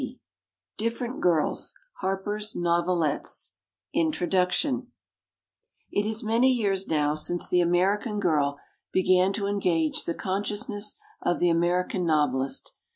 A. ALEXANDER "THE PRIZE FUND BENEFICIARY" Introduction It is many years now since the American Girl began to engage the consciousness of the American novelist.